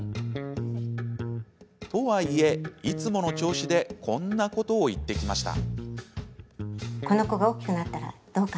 とはいえ、いつもの調子でこんなことを言ってきました。